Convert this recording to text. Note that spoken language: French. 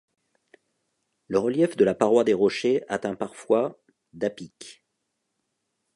Le relief de la paroi des Rochers atteint parfois d'à pic.